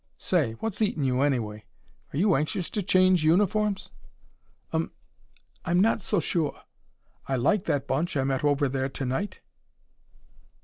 Say! What's eatin' you, anyway? Are you anxious to change uniforms?" "Um m. I'm not so sure. I like that bunch I met over there to night."